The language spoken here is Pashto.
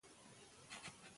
دا لاره ډیره پخوانۍ ده.